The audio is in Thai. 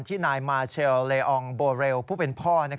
ที่นายมาเชลล์เรองโบเรลผู้เป็นพ่อ